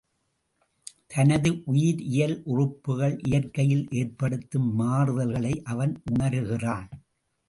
தனது உயிரியல் உறுப்புகள் இயற்கையில் ஏற்படுத்தும் மாறுதல்களை அவன் உணருகிறான்.